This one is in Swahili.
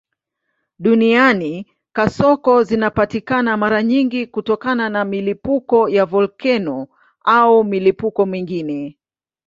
Duniani kasoko zinapatikana mara nyingi kutokana na milipuko ya volkeno au milipuko mingine.